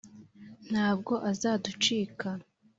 ntabwo azaducika